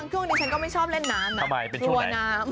ตอนนี้ฉันก็ไม่ชอบเล่นน้ำนะ